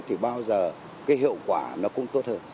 thì bao giờ hiệu quả cũng tốt hơn